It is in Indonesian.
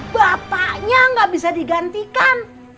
bapaknya gak bisa digantikan